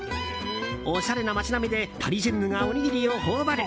おしゃれな街並みでパリジェンヌがおにぎりを頬張る。